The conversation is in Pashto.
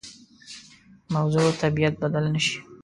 موضوع طبیعت بدل نه شي.